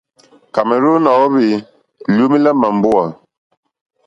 Cameroon à óhwì lyǒmélá màmbówà.